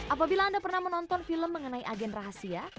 apabila anda pernah menonton film mengenai agen rahasia